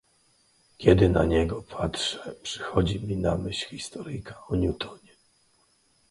"Kiedy na niego patrzę, przychodzi mi na myśl historyjka o Newtonie."